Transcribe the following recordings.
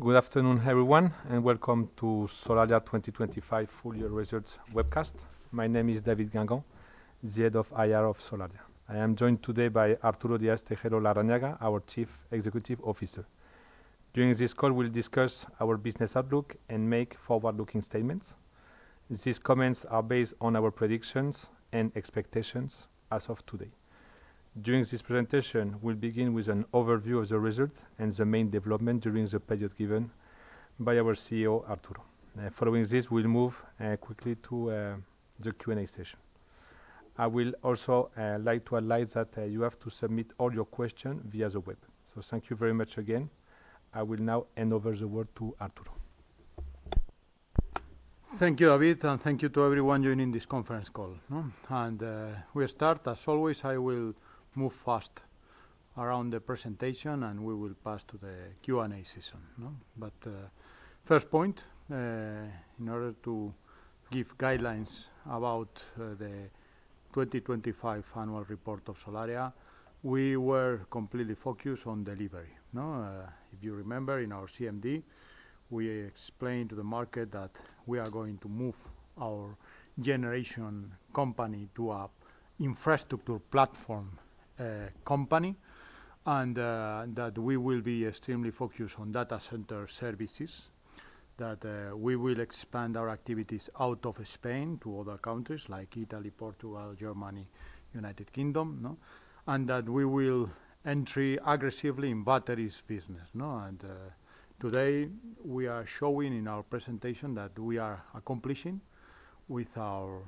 Good afternoon, everyone, welcome to Solaria 2025 full year results webcast. My name is David Guengant, the Head of IR of Solaria. I am joined today by Arturo Díaz-Tejeiro Larrañaga, our Chief Executive Officer. During this call, we'll discuss our business outlook and make forward-looking statements. These comments are based on our predictions and expectations as of today. During this presentation, we'll begin with an overview of the result and the main development during the period given by our CEO, Arturo. Following this, we'll move quickly to the Q&A session. I will also like to advise that you have to submit all your questions via the web. Thank you very much again. I will now hand over the word to Arturo. Thank you, David, and thank you to everyone joining this conference call, no? We start. As always, I will move fast around the presentation, and we will pass to the Q&A session, no? First point, in order to give guidelines about the 2025 annual report of Solaria, we were completely focused on delivery, no? If you remember in our CMD, we explained to the market that we are going to move our generation company to a infrastructure platform company, and that we will be extremely focused on data center services. That, we will expand our activities out of Spain to other countries like Italy, Portugal, Germany, United Kingdom, no? That we will entry aggressively in batteries business, no? Today, we are showing in our presentation that we are accomplishing with our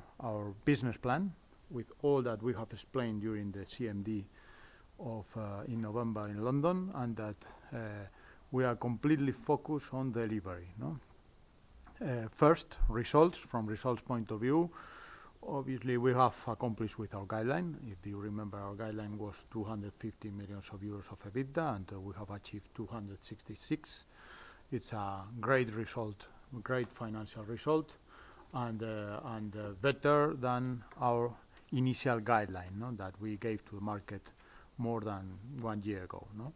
business plan, with all that we have explained during the CMD in November in London, and that we are completely focused on delivery, no? First, results. From results point of view, obviously, we have accomplished with our guideline. If you remember, our guideline was 250 million euros of EBITDA, and we have achieved 266 million. It's a great result, great financial result, and better than our initial guideline, no, that we gave to the market more than one year ago, no?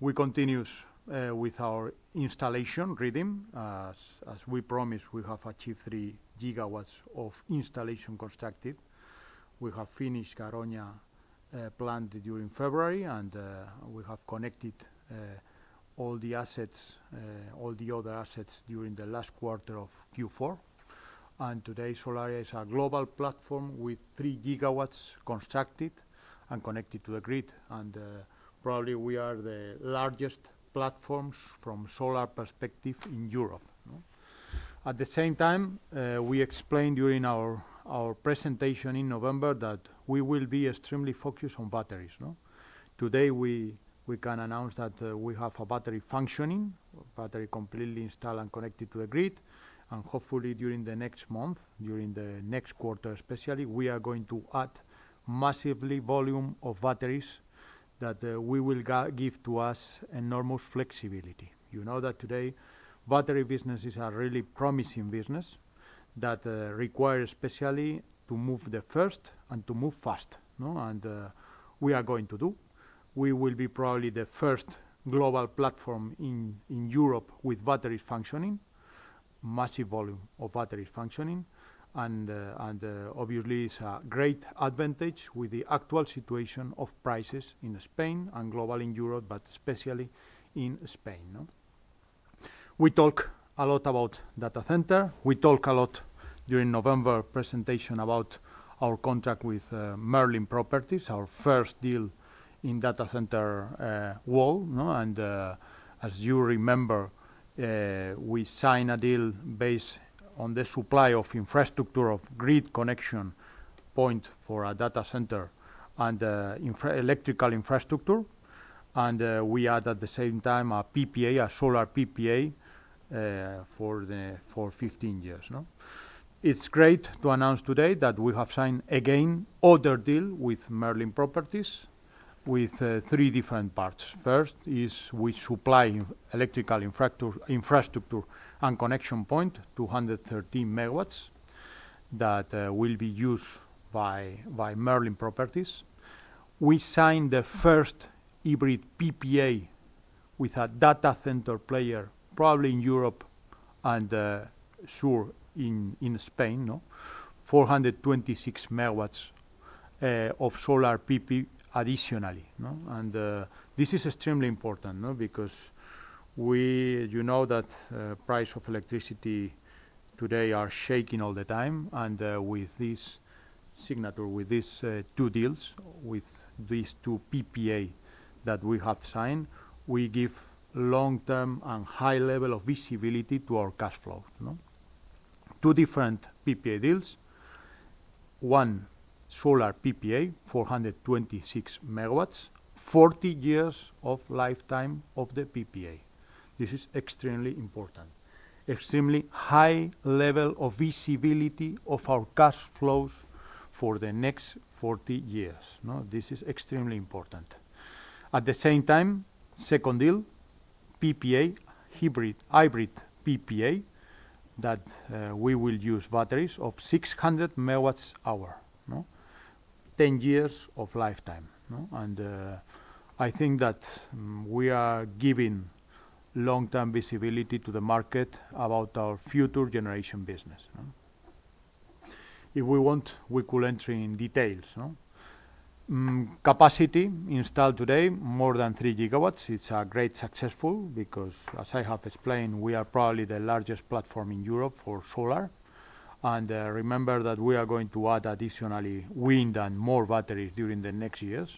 We continues with our installation rhythm. As we promised, we have achieved three gigawatts of installation constructed. We have finished Garoña plant during February, we have connected all the assets, all the other assets during the last quarter of Q4. Today, Solaria is a global platform with three gigawatts constructed and connected to the grid, probably we are the largest platforms from solar perspective in Europe, no? At the same time, we explained during our presentation in November that we will be extremely focused on batteries, no? Today, we can announce that we have a battery functioning, a battery completely installed and connected to the grid. Hopefully, during the next month, during the next quarter especially, we are going to add massively volume of batteries that we will give to us enormous flexibility. You know that today, battery business is a really promising business that require especially to move the first and to move fast, no? We are going to do. We will be probably the first global platform in Europe with batteries functioning, massive volume of batteries functioning. Obviously, it's a great advantage with the actual situation of prices in Spain and global in Europe, but especially in Spain, no? We talk a lot about data center. We talk a lot during November presentation about our contract with Merlin Properties, our first deal in data center world, no? As you remember, we sign a deal based on the supply of infrastructure of grid connection point for a data center and electrical infrastructure. We add, at the same time, a PPA, a solar PPA, for 15 years, no? It's great to announce today that we have signed again, other deal with Merlin Properties, with three different parts. First is we supply electrical infrastructure and connection point, 213 megawatts, that will be used by Merlin Properties. We signed the first hybrid PPA with a data center player, probably in Europe and sure in Spain, no? 426 megawatts of solar PP additionally, no? This is extremely important, no? Because you know that price of electricity today are shaking all the time, with this signature, with these two deals, with these two PPA that we have signed, we give long-term and high level of visibility to our cash flow, no? Two different PPA deals. One solar PPA, 426 MW, 40 years of lifetime of the PPA. This is extremely important. Extremely high level of visibility of our cash flows for the next 40 years. This is extremely important. At the same time, second deal, PPA, hybrid PPA, that we will use batteries of 600 MWh, 10 years of lifetime. I think that we are giving long-term visibility to the market about our future generation business. If we want, we could enter in details. Capacity installed today, more than three gigawatt. It's a great successful because, as I have explained, we are probably the largest platform in Europe for solar. Remember that we are going to add additionally, wind and more batteries during the next years.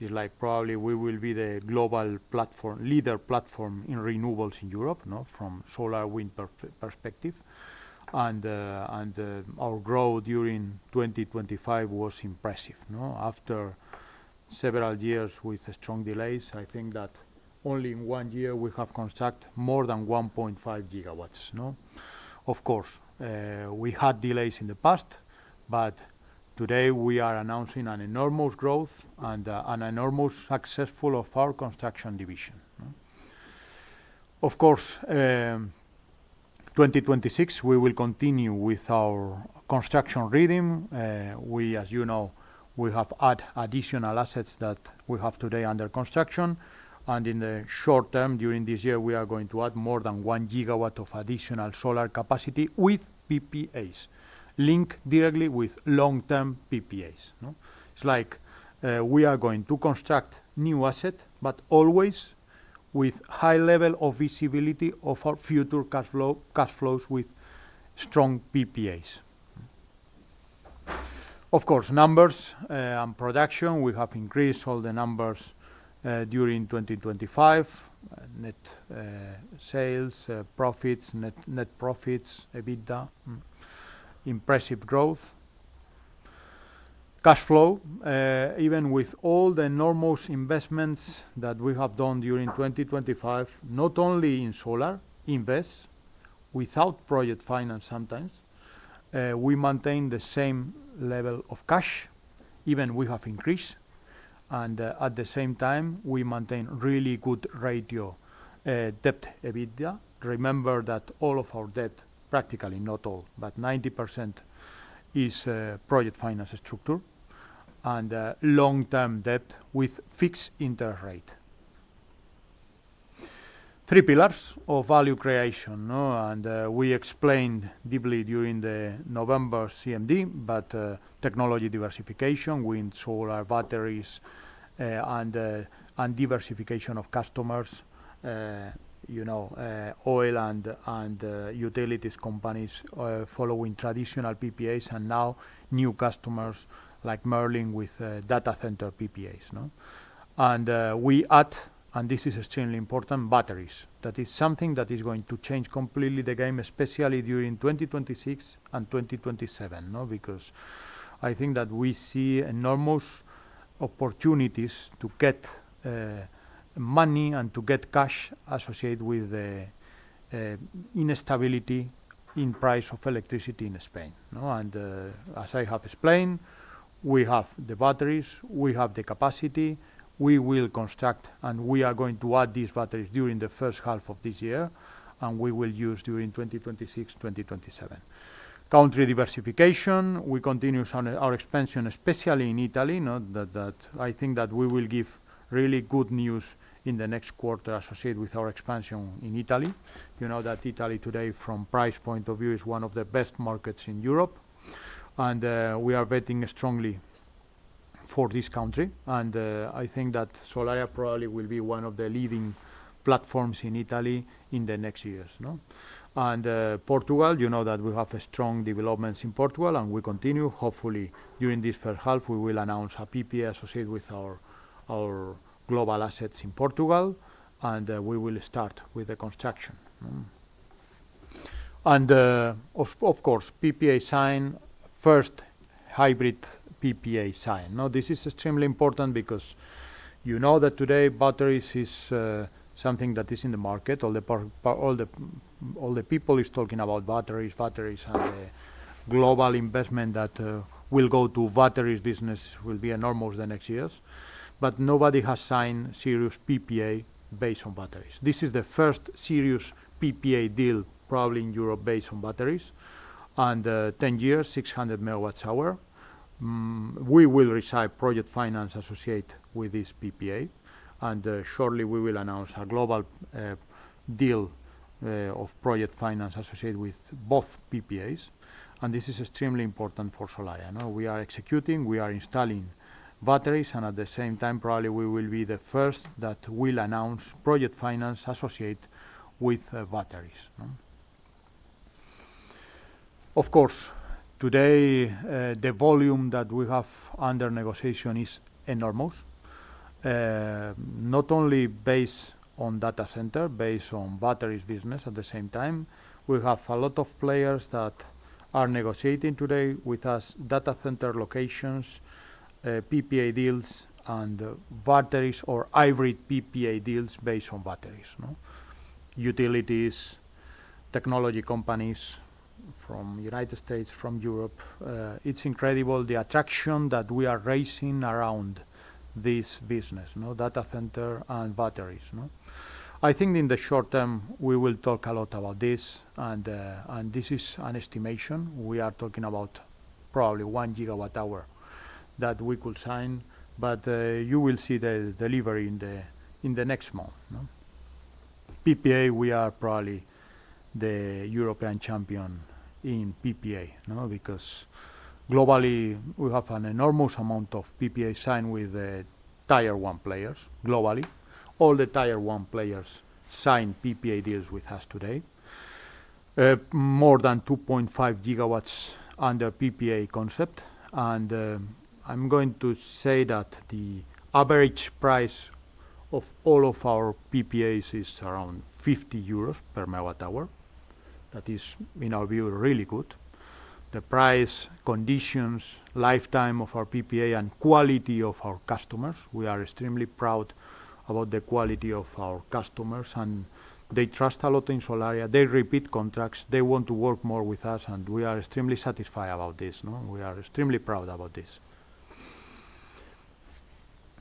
It's like probably we will be the global leader platform in renewables in Europe, no? From solar, wind perspective. Our growth during 2025 was impressive, no? After several years with strong delays, I think that only in one year we have construct more than 1.5 gigawatts, no? Of course, we had delays in the past, but today we are announcing an enormous growth and an enormous successful of our construction division, huh. Of course, 2026, we will continue with our construction rhythm. We, as you know, we have add additional assets that we have today under construction, and in the short term, during this year, we are going to add more than one gigawatt of additional solar capacity with PPAs, linked directly with long-term PPAs, no? It's like, we are going to construct new asset, always with high level of visibility of our future cash flows with strong PPAs. Of course, numbers, and production, we have increased all the numbers during 2025. Net sales, profits, net profits, EBITDA, impressive growth. Cash flow, even with all the enormous investments that we have done during 2025, not only in solar, in BESS, without project finance sometimes, we maintain the same level of cash, even we have increased. At the same time, we maintain really good ratio, debt EBITDA. Remember that all of our debt, practically not all, but 90% is project finance structure and long-term debt with fixed interest rate. Three pillars of value creation, no? We explained deeply during the November CMD, but technology diversification, wind, solar, batteries, and diversification of customers, you know, oil and utilities companies, following traditional PPAs, and now new customers like Merlin with data center PPAs. We add, and this is extremely important, batteries. That is something that is going to change completely the game, especially during 2026 and 2027, because I think that we see enormous opportunities to get money and to get cash associated with the instability in price of electricity in Spain. As I have explained, we have the batteries, we have the capacity, we will construct, and we are going to add these batteries during the first half of this year, and we will use during 2026, 2027. Country diversification, we continue on our expansion, especially in Italy. That I think that we will give really good news in the next quarter associated with our expansion in Italy. You know that Italy today, from price point of view, is one of the best markets in Europe, and we are betting strongly for this country. I think that Solaria probably will be one of the leading platforms in Italy in the next years. Portugal, you know that we have strong developments in Portugal, and we continue. Hopefully, during this first half, we will announce a PPA associated with our global assets in Portugal, and we will start with the construction. Of course, PPA sign, first hybrid PPA sign. This is extremely important because you know that today, batteries is something that is in the market. All the people is talking about batteries, and the global investment that will go to batteries business will be enormous the next years. Nobody has signed serious PPA based on batteries. This is the first serious PPA deal, probably in Europe, based on batteries. 10 years, 600 megawatts hour. We will receive project finance associated with this PPA, shortly, we will announce a global deal of project finance associated with both PPAs. This is extremely important for Solaria. We are executing, we are installing batteries, and at the same time, probably we will be the first that will announce project finance associated with batteries. Of course, today, the volume that we have under negotiation is enormous. Not only based on data center, based on batteries business at the same time. We have a lot of players that are negotiating today with us, data center locations, PPA deals, and batteries or hybrid PPA deals based on batteries, no? Utilities, technology companies from United States, from Europe. It's incredible the attraction that we are raising around this business, you know, data center and batteries, no? I think in the short term, we will talk a lot about this, and this is an estimation. We are talking about probably one gigawatt hour that we could sign, but you will see the delivery in the next month, no? PPA, we are probably the European champion in PPA, you know, because globally, we have an enormous amount of PPA signed with the Tier 1 players globally. All the Tier 1 players sign PPA deals with us today. More than 2.5 gigawatts under PPA concept. I'm going to say that the average price of all of our PPAs is around 50 euros per MWh. That is, in our view, really good. The price, conditions, lifetime of our PPA, and quality of our customers, we are extremely proud about the quality of our customers, and they trust a lot in Solaria. They repeat contracts, they want to work more with us, and we are extremely satisfied about this, no? We are extremely proud about this.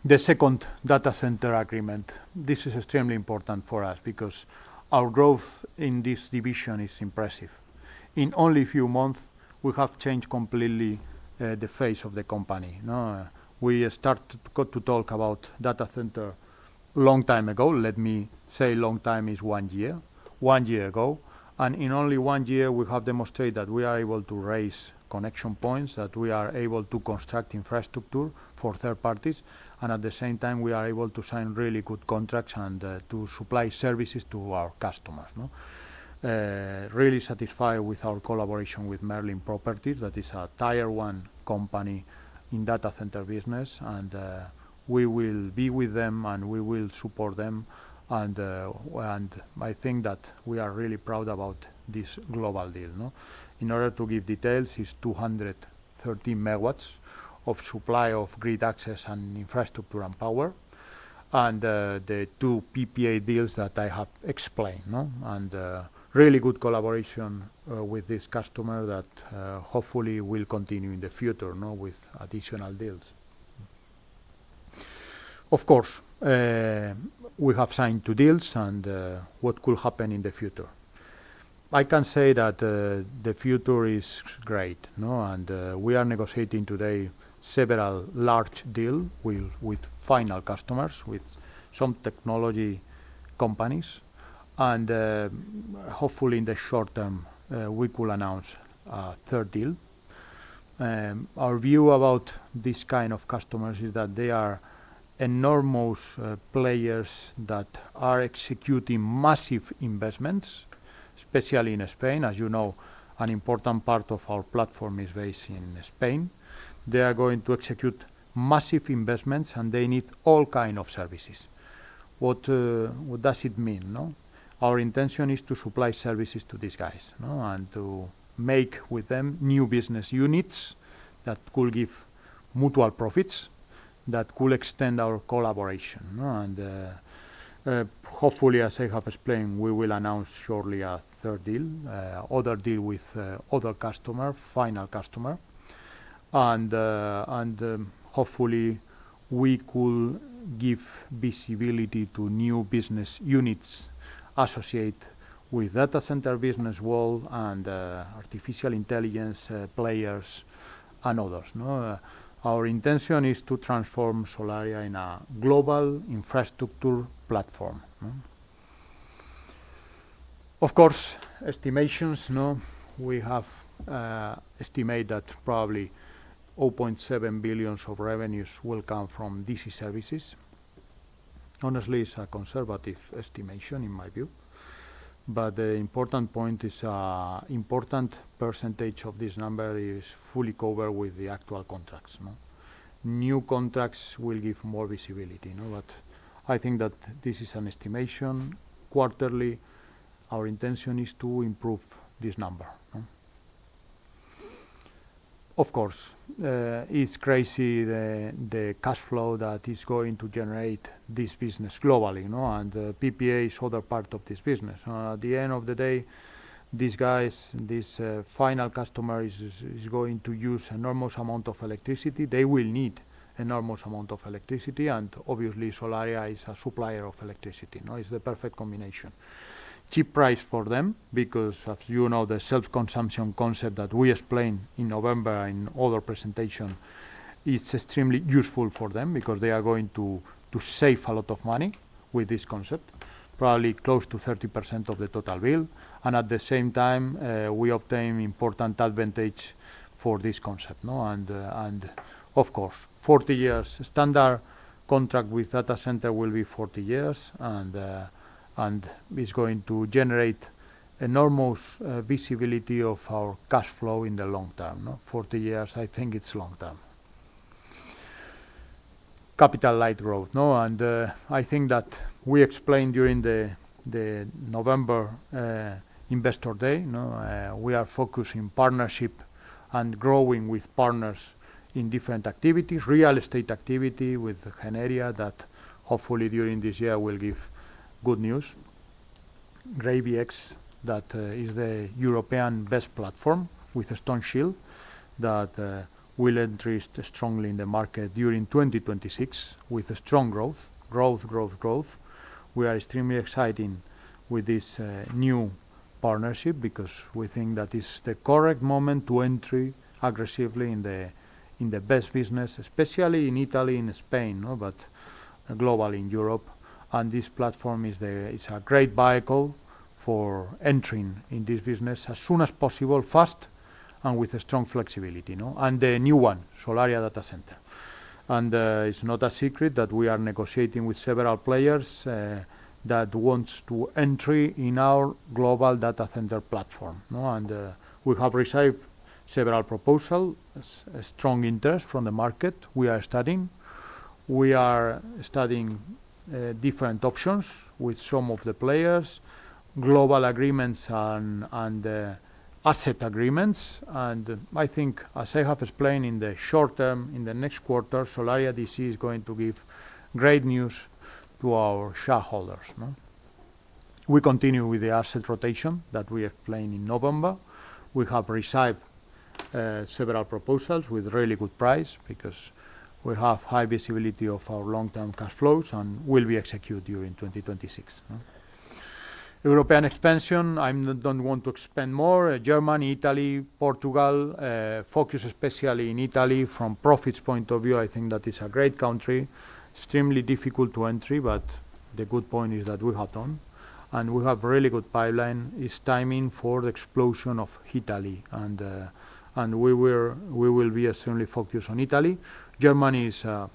The second data center agreement, this is extremely important for us because our growth in this division is impressive. In only a few months, we have changed completely, the face of the company, no? We got to talk about data center long time ago. Let me say long time is one year. one year ago, and in only one year, we have demonstrated that we are able to raise connection points, that we are able to construct infrastructure for third parties, and at the same time, we are able to sign really good contracts and to supply services to our customers, no? Really satisfied with our collaboration with Merlin Properties. That is a Tier 1 company in data center business, and we will be with them, and we will support them, and I think that we are really proud about this global deal, you know? In order to give details, it's 230 megawatts of supply of grid access and infrastructure and power, the two PPA deals that I have explained. Really good collaboration with this customer that hopefully will continue in the future with additional deals. Of course, we have signed two deals, what could happen in the future? I can say that the future is great. We are negotiating today several large deal with final customers, with some technology companies, hopefully, in the short term, we could announce a third deal. Our view about these kind of customers is that they are enormous players that are executing massive investments, especially in Spain. As you know, an important part of our platform is based in Spain. They are going to execute massive investments, and they need all kind of services. What, what does it mean, no? Our intention is to supply services to these guys, no? To make with them new business units that could give mutual profits, that could extend our collaboration, no? Hopefully, as I have explained, we will announce shortly a third deal, other deal with other customer, final customer. Hopefully, we could give visibility to new business units associated with data center business world and artificial intelligence players and others, no? Our intention is to transform Solaria in a global infrastructure platform, no? Of course, estimations, no, we have estimated that probably 0.7 billion of revenues will come from DC services. Honestly, it's a conservative estimation, in my view. The important point is, important percentage of this number is fully covered with the actual contracts, no? New contracts will give more visibility, you know. I think that this is an estimation. Quarterly, our intention is to improve this number, no? Of course, it's crazy the cash flow that is going to generate this business globally, you know. PPA is other part of this business. At the end of the day, these guys, these final customers is going to use enormous amount of electricity. They will need enormous amount of electricity, and obviously, Solaria is a supplier of electricity, no? It's the perfect combination. Cheap price for them because as you know, the self-consumption concept that we explained in November in other presentation, it's extremely useful for them because they are going to save a lot of money with this concept, probably close to 30% of the total bill, and at the same time, we obtain important advantage for this concept. Of course, 40 years. Standard contract with data center will be 40 years, and it's going to generate enormous visibility of our cash flow in the long term. 40 years, I think it's long term. Capital-light growth. I think that we explained during the November Investor Day, we are focused in partnership and growing with partners in different activities, real estate activity with Generia, that hopefully during this year will give good news. GravyX, that is the European BESS platform with Stoneshield that will interest strongly in the market during 2026, with a strong growth. Growth. We are extremely exciting with this new partnership because we think that is the correct moment to entry aggressively in the BESS business, especially in Italy and Spain, you know, but globally in Europe. This platform, it's a great vehicle for entering in this business as soon as possible, fast, and with a strong flexibility, you know? The new one, Solaria Data Center. It's not a secret that we are negotiating with several players that wants to entry in our global data center platform, no? We have received several proposal, a strong interest from the market. We are studying. We are studying different options with some of the players, global agreements and asset agreements. I think, as I have explained, in the short term, in the next quarter, Solaria DC is going to give great news to our shareholders. We continue with the asset rotation that we explained in November. We have received several proposals with really good price because we have high visibility of our long-term cash flows and will be executed during 2026. European expansion, don't want to expand more. Germany, Italy, Portugal, focus especially in Italy. From profits point of view, I think that is a great country. Extremely difficult to entry, the good point is that we have done, and we have really good pipeline. It's timing for the explosion of Italy, we will be extremely focused on Italy. Germany is a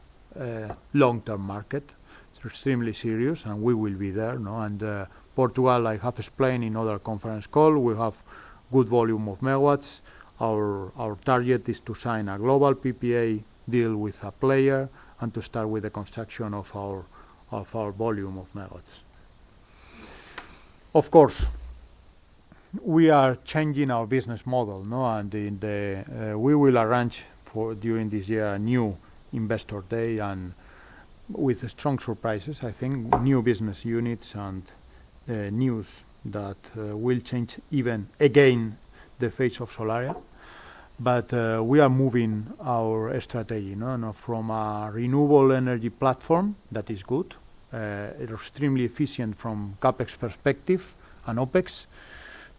long-term market. It's extremely serious, we will be there, you know? Portugal, I have explained in other conference call, we have good volume of megawatts. Our target is to sign a global PPA deal with a player and to start with the construction of our volume of megawatts. Of course, we are changing our business model, no? We will arrange for, during this year, a new investor day, with strong surprises, I think, new business units and news that will change even again, the face of Solaria. We are moving our strategy, you know, from a renewable energy platform, that is good, extremely efficient from CapEx perspective and OpEx,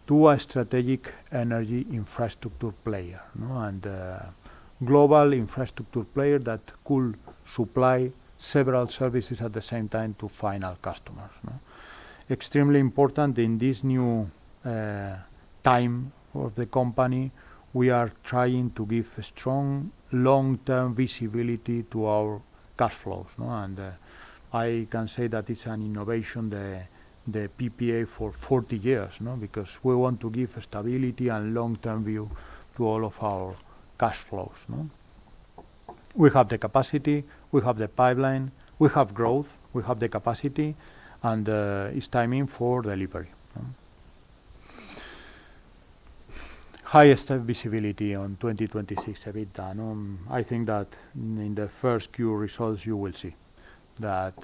to a strategic energy infrastructure player, you know, and global infrastructure player that could supply several services at the same time to final customers, no? Extremely important in this new time for the company, we are trying to give a strong, long-term visibility to our cash flows, you know? I can say that it's an innovation, the PPA for 40 years, no? Because we want to give stability and long-term view to all of our cash flows, no? We have the capacity, we have the pipeline, we have growth, we have the capacity, and it's timing for delivery. Highest visibility on 2026 EBITDA. I think that in the first Q results, you will see that.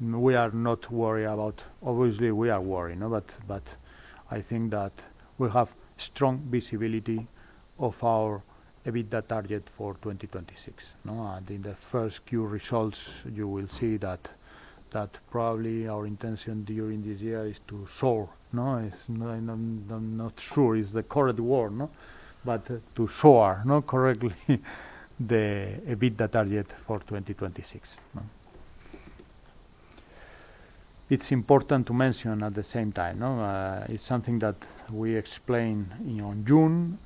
Obviously, we are worried, you know, but I think that we have strong visibility of our EBITDA target for 2026, no? In the first Q results, you will see that probably our intention during this year is to soar. No, I'm not sure it's the correct word, no? To soar, no, correctly, the EBITDA target for 2026, no? It's important to mention at the same time, no, it's something that we explained in on June.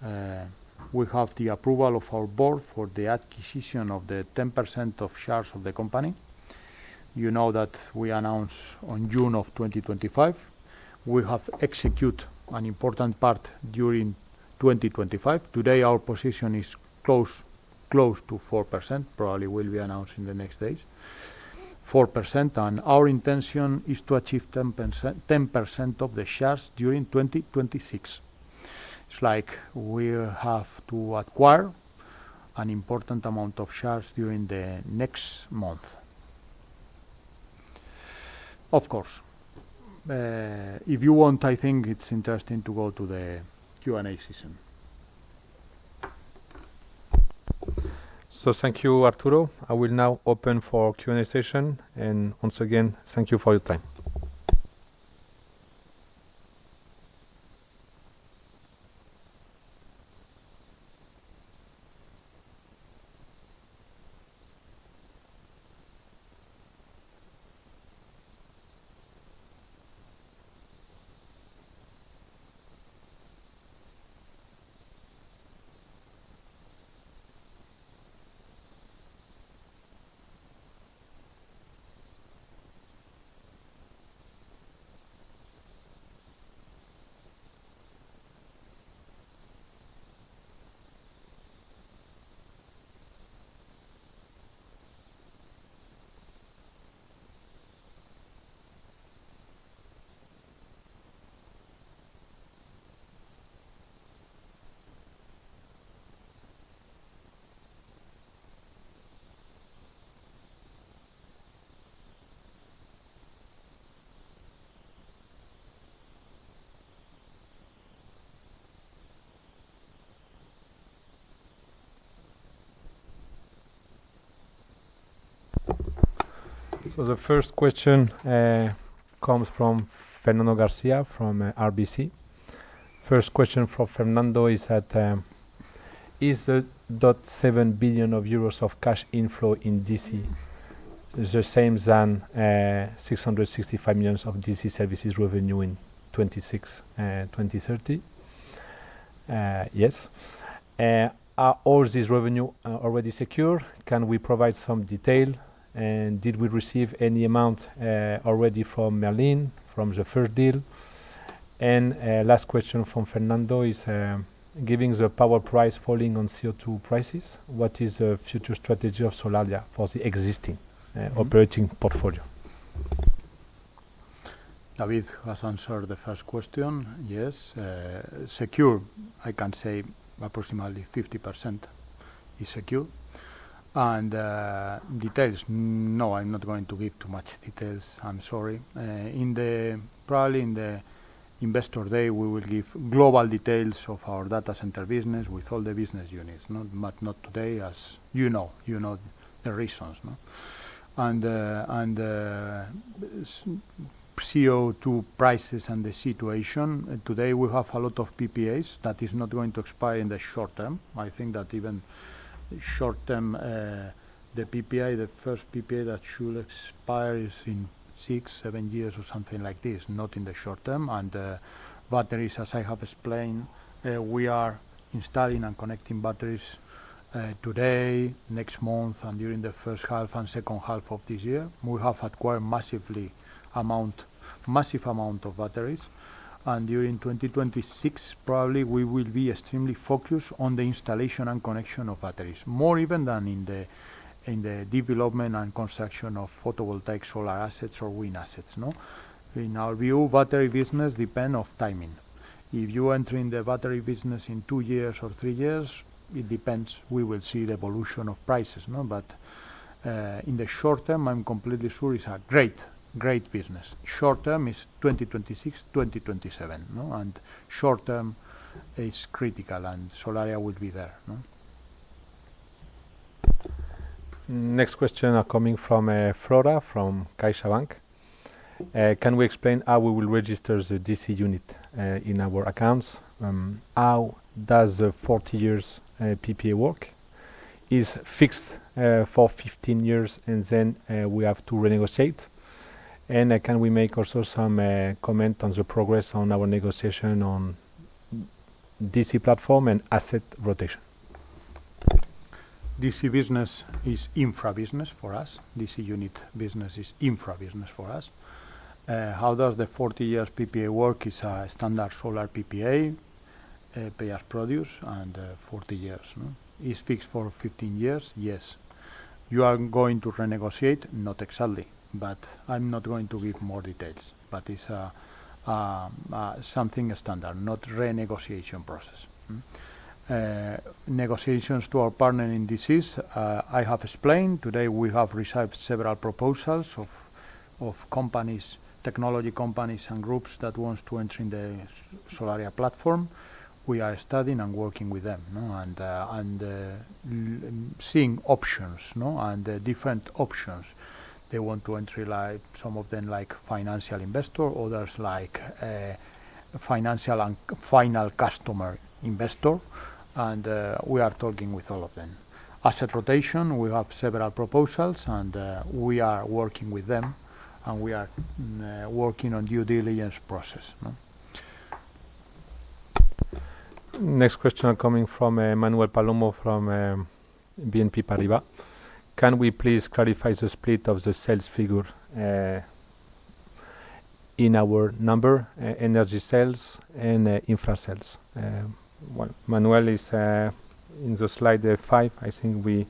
We have the approval of our board for the acquisition of the 10% of shares of the company. You know that we announced on June of 2025. We have execute an important part during 2025. Today, our position is close to 4%. Probably will be announced in the next days. 4%. Our intention is to achieve 10% of the shares during 2026. It's like we have to acquire an important amount of shares during the next month. If you want, I think it's interesting to go to the Q&A session. Thank you, Arturo. I will now open for Q&A session. Once again, thank you for your time. The first question comes from Fernando Garcia from RBC. First question from Fernando is that, is the 0.7 billion euros of cash inflow in DC the same as 665 million of DC services revenue in 2026, 2030? Yes. Are all these revenue already secure? Can we provide some detail? Did we receive any amount already from Merlin from the first deal? Last question from Fernando is: Giving the power price falling on CO2 prices, what is the future strategy of Solaria for the existing operating portfolio? David has answered the first question. Yes, secure, I can say approximately 50% is secure. Details, no, I'm not going to give too much details. I'm sorry. Probably in the Investor Day, we will give global details of our data center business with all the business units, not, but not today, as you know. You know the reasons, no? CO2 prices and the situation, today, we have a lot of PPAs that is not going to expire in the short term. I think that even short term, the PPA, the first PPA that should expire is in six, seven years or something like this, not in the short term. Batteries, as I have explained, we are installing and connecting batteries today, next month, and during the first half and second half of this year. We have acquired massive amount of batteries, and during 2026, probably, we will be extremely focused on the installation and connection of batteries, more even than in the development and construction of photovoltaic solar assets or wind assets, no? In our view, battery business depend on timing. If you enter in the battery business in two years or three years, it depends. We will see the evolution of prices, no? In the short term, I'm completely sure it's a great business. Short term is 2026, 2027, no? Short term is critical, and Solaria will be there, no. Next question are coming from Flora from CaixaBank. Can we explain how we will register the DC unit in our accounts? How does the 40 years PPA work? Is it fixed for 15 years, and then we have to renegotiate? Can we make also some comment on the progress on our negotiation on DC platform and asset rotation? DC business is infra business for us. DC unit business is infra business for us. How does the 40-years PPA work? It's a standard solar PPA, pay-as-produced, and 40 years, no? It's fixed for 15 years, yes. You are going to renegotiate? Not exactly, but I'm not going to give more details. It's a something standard, not renegotiation process. Hmm. Negotiations to our partner in DC is, I have explained, today, we have received several proposals of companies, technology companies and groups that wants to enter in the Solaria platform. We are studying and working with them, no, and seeing options, no, and different options. They want to enter like some of them, like financial investor, others like financial and final customer investor. We are talking with all of them. Asset rotation, we have several proposals, and we are working with them, and we are working on due diligence process, no? Next question coming from Manuel Palomo, from BNP Paribas. Can we please clarify the split of the sales figure in our number, e-energy sales and infra sales? Well, Manuel is in the slide five, I think we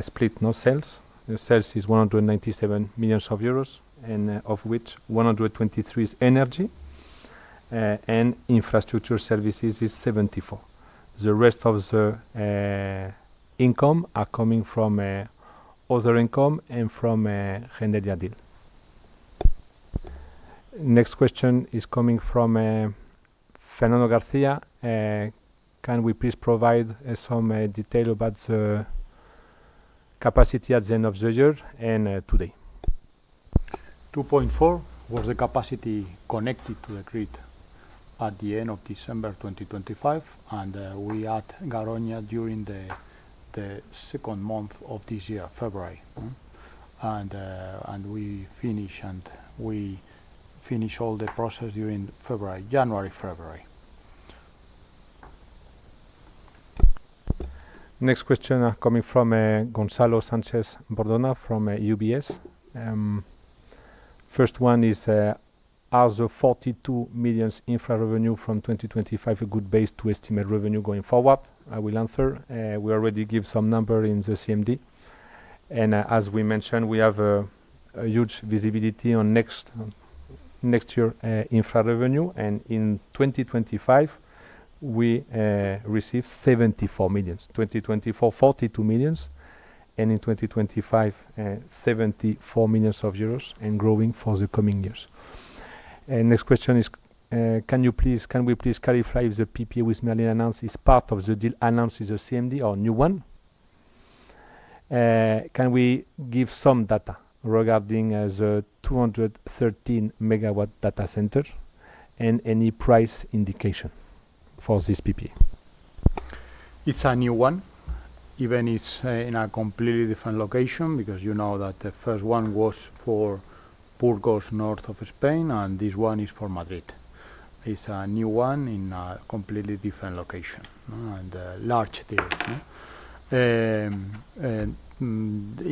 split no sales. The sales is 197 million euros, and of which 123 is energy, and infrastructure services is 74. The rest of the income are coming from other income and from Generia deal. Next question is coming from Fernando Garcia. Can we please provide some detail about the capacity at the end of the year and today? 2.4 GW was the capacity connected to the grid at the end of December 2025, and we add Garoña during the second month of this year, February. We finish all the process during January, February. Next question are coming from Gonzalo Sanchez-Bordona from UBS. First one is: Are the 42 million infra revenue from 2025 a good base to estimate revenue going forward? I will answer. We already give some number in the CMD, and as we mentioned, we have a huge visibility on next year infra revenue, and in 2025, we receive 74 million. 2024, 42 million, and in 2025, 74 million euros, and growing for the coming years. Next question is, can we please clarify if the PPA with Merlin announced is part of the deal announced with the CMD or a new one? Can we give some data regarding the 213 MW data center and any price indication for this PPA? It's a new one, even it's in a completely different location, because you know that the first one was for Burgos, north of Spain, and this one is for Madrid. It's a new one in a completely different location, and large deal, you know?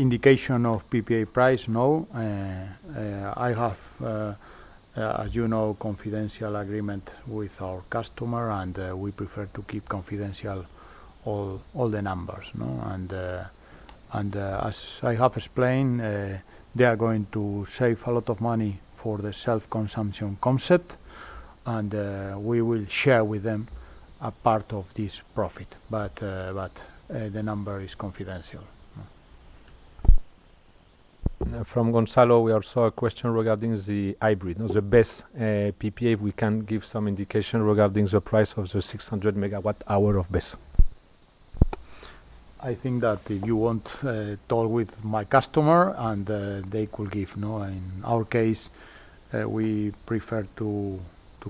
Indication of PPA price, no. I have, as you know, confidential agreement with our customer, and we prefer to keep confidential all the numbers, no? As I have explained, they are going to save a lot of money for the self-consumption concept, and we will share with them a part of this profit. But the number is confidential. From Gonzalo, we also have a question regarding the hybrid. The BESS, PPA, we can give some indication regarding the price of the 600 megawatt hour of BESS. I think that if you want, talk with my customer and, they could give. No, in our case, we prefer to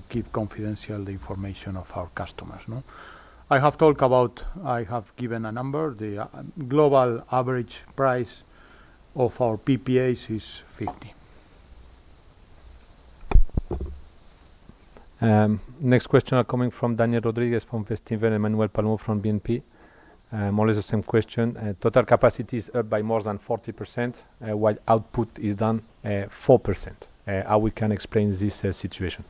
keep confidential the information of our customers, no? I have talked about. I have given a number. The global average price of our PPAs is EUR 50. Next question are coming from Daniel Rodriguez from Bestinver and Manuel Palomo from BNP. More or less the same question. Total capacity is up by more than 40%, while output is down, 4%. How we can explain this situation?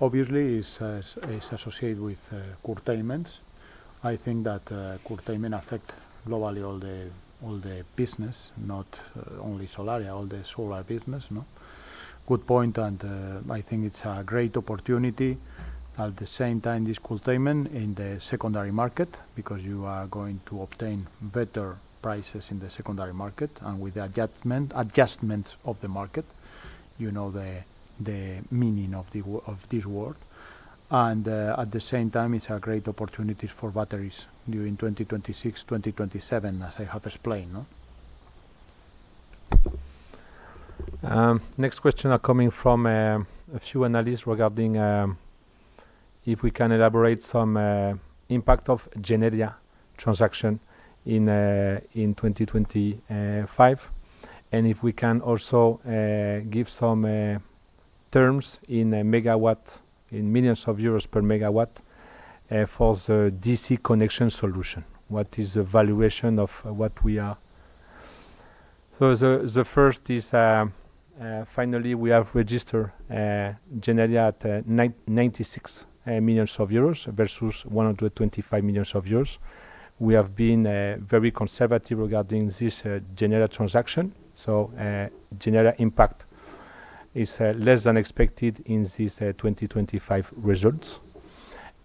Obviously, it's associated with curtailments. I think that curtailment affect globally all the business, not only Solaria, all the solar business, no. Good point, I think it's a great opportunity. At the same time, this curtailment in the secondary market, because you are going to obtain better prices in the secondary market and with the adjustment of the market. You know the meaning of this word. At the same time, it's a great opportunity for batteries during 2026, 2027, as I have explained, no. Next question are coming from a few analysts regarding if we can elaborate some impact of Generia transaction in 2025. If we can also give some terms in a megawatt, in millions of euros per megawatt, for the DC connection solution? What is the valuation of what we are? The first is, finally, we have registered Generia at 96 million euros versus 125 million euros. We have been very conservative regarding this Generia transaction, so Generia impact is less than expected in these 2025 results.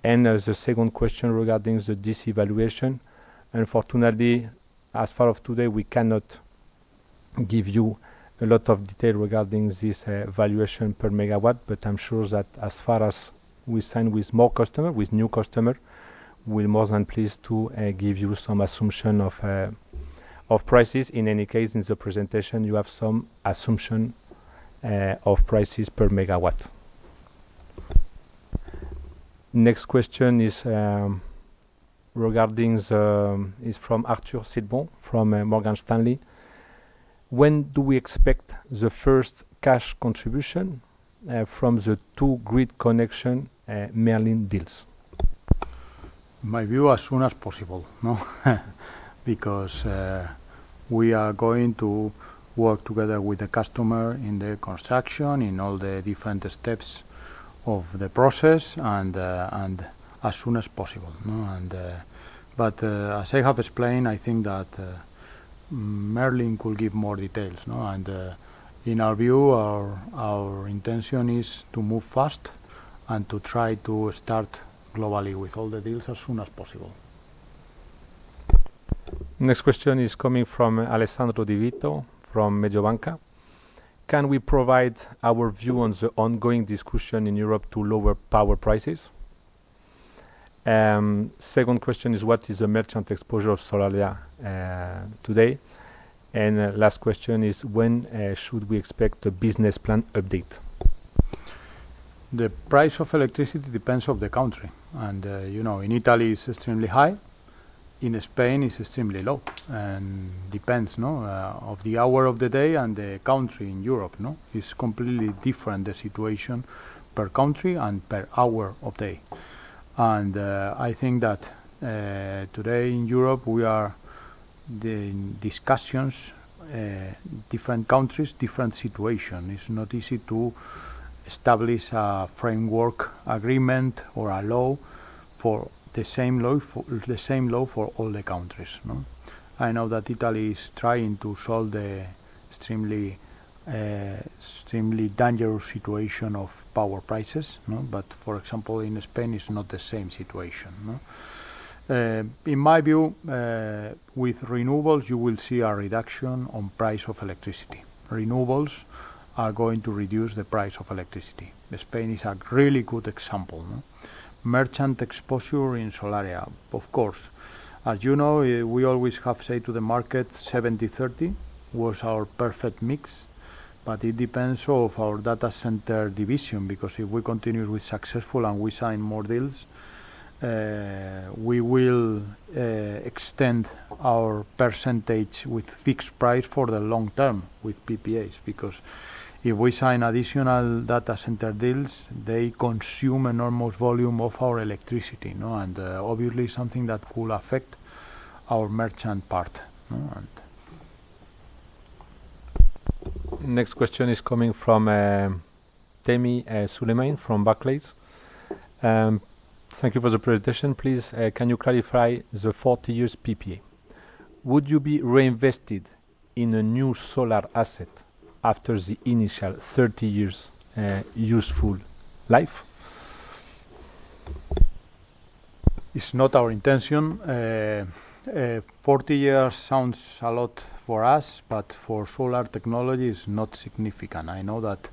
The second question regarding the DC valuation. Unfortunately, as far of today, we cannot give you a lot of detail regarding this valuation per megawatt, but I'm sure that as far as we sign with more customer, with new customer, we're more than pleased to give you some assumption of of prices. In any case, in the presentation, you have some assumption of prices per megawatt. Next question is from Arthur Sitbon from Morgan Stanley. When do we expect the first cash contribution from the two grid connection Merlin deals? My view, as soon as possible, no. We are going to work together with the customer in the construction, in all the different steps of the process and as soon as possible, no. As I have explained, I think that Merlin could give more details, no. In our view, our intention is to move fast and to try to start globally with all the deals as soon as possible. Next question is coming from Alessandro Di Vito from Mediobanca. Can we provide our view on the ongoing discussion in Europe to lower power prices? Second question is: What is the merchant exposure of Solaria today? Last question is: When should we expect a business plan update? The price of electricity depends on the country. You know, in Italy, it's extremely high. In Spain, it's extremely low. Depends, no, on the hour of the day and the country in Europe, no? It's completely different, the situation, per country and per hour of day. I think that today in Europe, we are in discussions, different countries, different situation. It's not easy to establish a framework agreement or a law for the same law for all the countries, no? I know that Italy is trying to solve the extremely dangerous situation of power prices, no? For example, in Spain, it's not the same situation, no. In my view, with renewables, you will see a reduction on price of electricity. Renewables are going to reduce the price of electricity. Spain is a really good example, no? Merchant exposure in Solaria. Of course, as you know, we always have said to the market, 70/30 was our perfect mix, but it depends of our data center division, because if we continue with successful and we sign more deals, we will extend our percentage with fixed price for the long term with PPAs. If we sign additional data center deals, they consume enormous volume of our electricity, you know, and obviously, something that will affect our merchant part, no. Next question is coming from Tammy, Suleiman from Barclays. Thank you for the presentation. Please, can you clarify the 40 years PPA? Would you be reinvested in a new solar asset after the initial 30 years, useful life? It's not our intention. 40 years sounds a lot for us, but for solar technology, it's not significant. I know that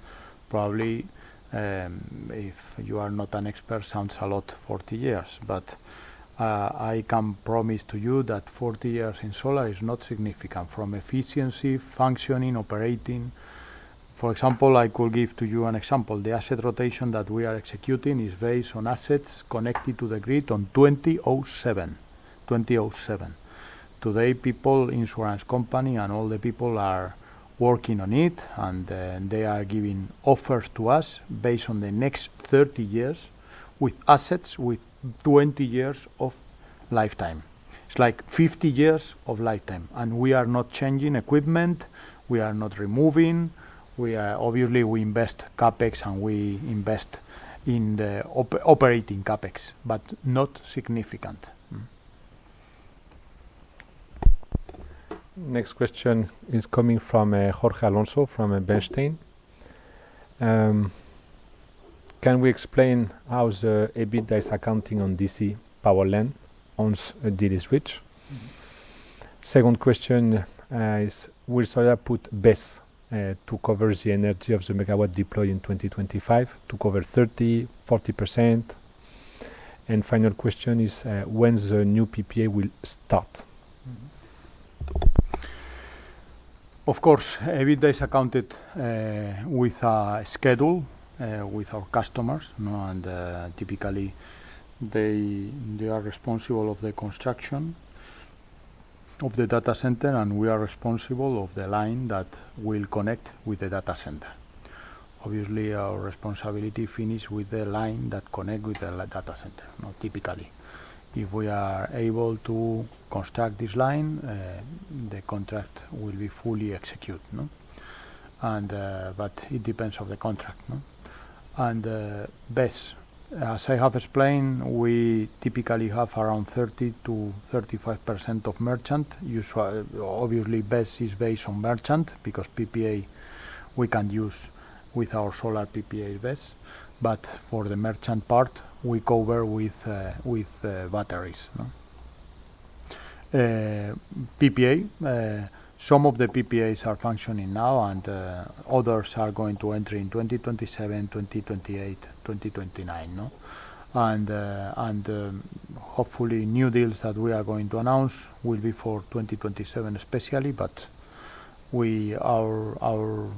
probably, if you are not an expert, sounds a lot, 40 years. I can promise to you that 40 years in solar is not significant from efficiency, functioning, operating. For example, I could give to you an example. The asset rotation that we are executing is based on assets connected to the grid on 2007. 2007. Today, people, insurance company, and all the people are working on it, and they are giving offers to us based on the next 30 years with assets with 20 years of lifetime. It's like 50 years of lifetime, and we are not changing equipment, we are not removing. We obviously, we invest CapEx, and we invest in the operating CapEx, but not significant. Next question is coming from Jorge Alonso from Bernstein. Can we explain how the EBITDA is accounting on DC Power Land owns a deal is switch? Second question is, will Solaria put BESS to cover the energy of the megawatt deployed in 2025 to cover 30%-40%? Final question is, when the new PPA will start? Of course, every day is accounted with a schedule with our customers, you know. Typically, they are responsible of the construction of the data center, and we are responsible of the line that will connect with the data center. Obviously, our responsibility finish with the line that connect with the data center, no, typically. If we are able to construct this line, the contract will be fully executed, no? BESS, as I have explained, we typically have around 30% to 35% of merchant. Usually, obviously, BESS is based on merchant, because PPA we can use with our solar PPA BESS, but for the merchant part, we cover with batteries. PPA, some of the PPAs are functioning now, and others are going to enter in 2027, 2028, 2029, no? Hopefully, new deals that we are going to announce will be for 2027, especially, but our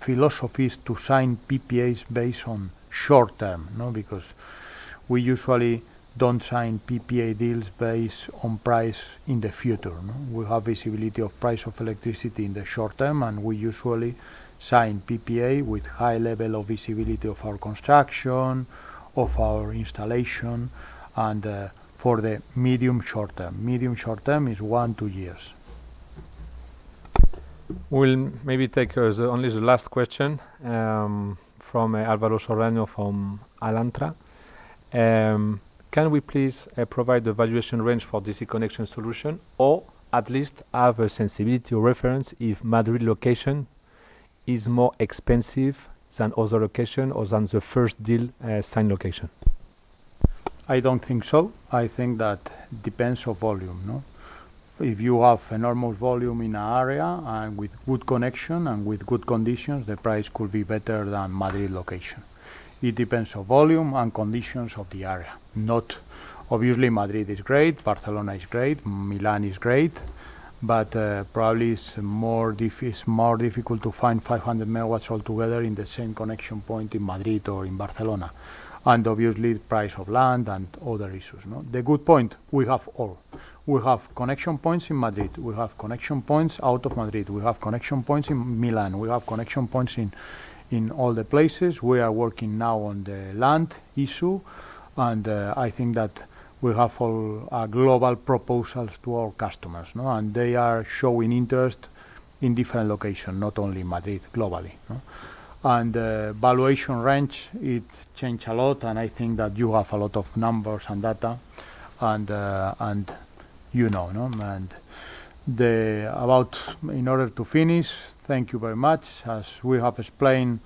philosophy is to sign PPAs based on short term, no? Because we usually don't sign PPA deals based on price in the future, no. We have visibility of price of electricity in the short term, and we usually sign PPA with high level of visibility of our construction, of our installation, and for the medium short term. Medium short term is one, two years. We'll maybe take only the last question from Álvaro Soriano from Alantra. Can we please provide the valuation range for DC connection solution, or at least have a sensitivity reference if Madrid location is more expensive than other location or than the first deal signed location? I don't think so. I think that depends on volume, no? If you have a normal volume in an area and with good connection and with good conditions, the price could be better than Madrid location. It depends on volume and conditions of the area. Obviously, Madrid is great, Barcelona is great, Milan is great, but probably it's more difficult to find 500 MW altogether in the same connection point in Madrid or in Barcelona, and obviously, the price of land and other issues, no? The good point, we have all. We have connection points in Madrid, we have connection points out of Madrid, we have connection points in Milan, we have connection points in all the places. We are working now on the land issue, I think that we have all, a global proposals to our customers, no? They are showing interest in different location, not only Madrid, globally, no? Valuation range, it changed a lot, and I think that you have a lot of numbers and data, and you know, no? In order to finish, thank you very much. As we have explained,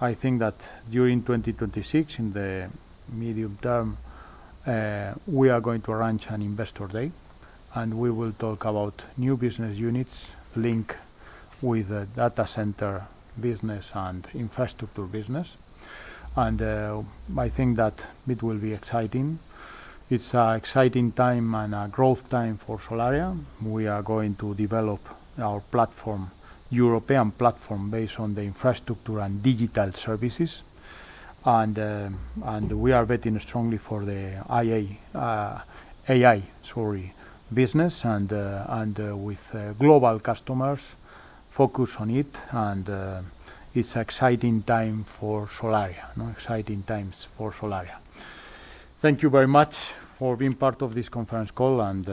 I think that during 2026, in the medium term, we are going to arrange an investor day, and we will talk about new business units, link with the data center business and infrastructure business, and, I think that it will be exciting. It's a exciting time and a growth time for Solaria. We are going to develop our platform, European platform, based on the infrastructure and digital services, and we are betting strongly for the IA, AI, sorry, business, and with global customers, focus on it, and it's exciting time for Solaria, no? Exciting times for Solaria. Thank you very much for being part of this conference call, and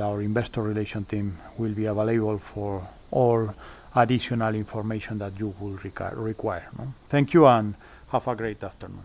our investor relation team will be available for all additional information that you will require, no? Thank you, and have a great afternoon.